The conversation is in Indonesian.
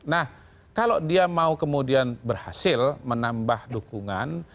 nah kalau dia mau kemudian berhasil menambah dukungan